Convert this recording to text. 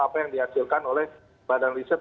apa yang dihasilkan oleh badan riset